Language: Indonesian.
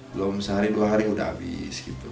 belum sehari dua hari sudah habis gitu